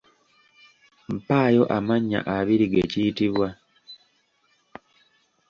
Mpaayo amannya abiri ge kiyitibwa?